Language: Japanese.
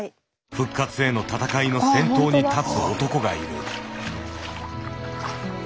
復活へのたたかいの先頭に立つ男がいるあ